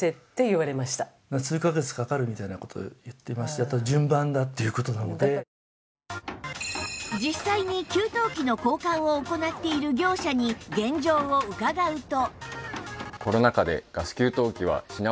そんな実際に給湯器の交換を行っている業者に現状を伺うと